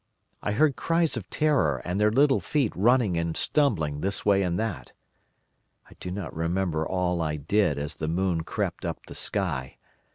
I heard cries of terror and their little feet running and stumbling this way and that. I do not remember all I did as the moon crept up the sky.